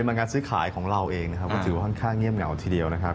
เป็นการซื้อขายของเราเองก็ถือว่าค่อนข้างเงียบเหงาทีเดียว